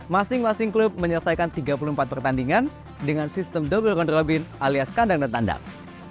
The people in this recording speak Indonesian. masing masing klub menyelesaikan tiga puluh empat pertandingan dengan sistem double round robin alias kandang dan tandang